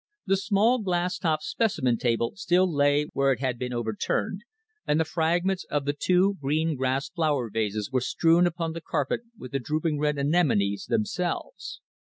The small glass topped specimen table still lay where it had been overturned, and the fragments of the two green glass flower vases were strewn upon the carpet with the drooping red anemones themselves.